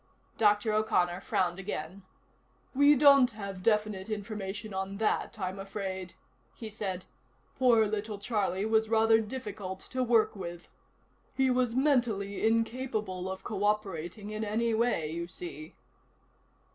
Dr. O'Connor frowned again. "We don't have definite information on that, I'm afraid," he said. "Poor little Charlie was rather difficult to work with. He was mentally incapable of cooperating in any way, you see."